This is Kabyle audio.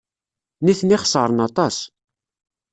Nitni xeṣren aṭas.